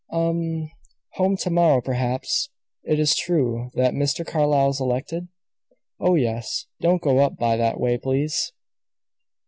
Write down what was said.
"U m! Home to morrow, perhaps. Is it true that Mr. Carlyle's elected?" "Oh, yes; don't go up that way, please."